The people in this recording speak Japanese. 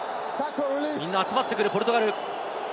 みんな集まってくるポルトガル。